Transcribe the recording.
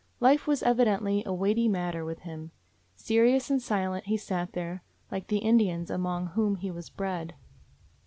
Life was evi dently a weighty matter with him. Serious and silent he sat there, like the Indians among whom he was bred.